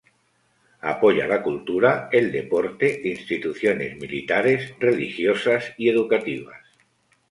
Apoya la cultura, el deporte, instituciones militares, religiosas y educativas.